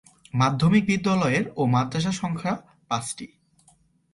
মাধ্যমিক বিদ্যালয়ের ও মাদ্রাসা সংখ্যা পাঁচটি।